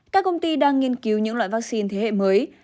các công ty đang nghiên cứu những loại vaccine thế hệ mới